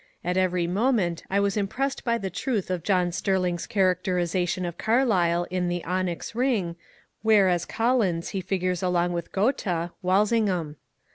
At every moment I was impressed by the truth of John Sterling's characterization of Carlyle in " The Onyx Bing," where as Collins he figures along with Goethe (Wal singham).